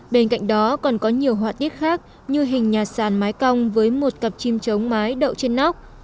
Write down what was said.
bên cạnh đó còn có nhiều họa tiết khác như hình nhà sàn mái cong với một cặp chim chống mái đậu trên nóc